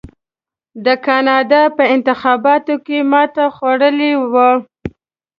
د کاناډا په انتخاباتو کې ماته خوړلې وه.